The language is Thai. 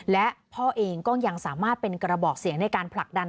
และพ่อเองก็ยังสามารถเป็นกระบอกเสียงในการผลักดัน